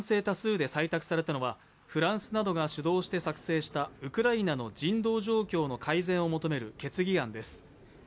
多数で採択されたのはフランスなどが主導して作成したウクライナの人道状況の改善を求める決議案です。